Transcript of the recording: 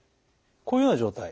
こういうような状態。